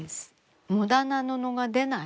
無駄な布が出ない。